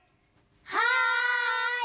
はい！